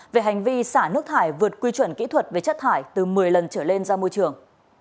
về hành vi xả nước thải vượt quy chuẩn kỹ thuật về chất thải từ một mươi lần trở lên ra môi trường